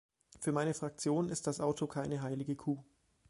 Für meine Fraktion ist das Auto keine heilige Kuh.